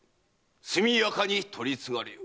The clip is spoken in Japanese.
速やかに取り次がれよ。